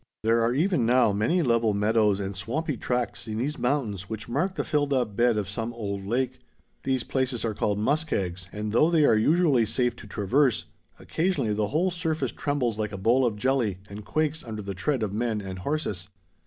There are even now many level meadows and swampy tracts in these mountains which mark the filled up bed of some old lake. These places are called "muskegs," and though they are usually safe to traverse, occasionally the whole surface trembles like a bowl of jelly and quakes under the tread of men and horses.